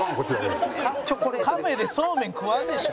「カフェでそうめん食わんでしょ」